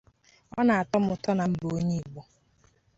ma were ya bàára onwe ha úrù